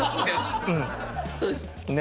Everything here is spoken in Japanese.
そうですね。